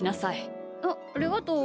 あっありがとう。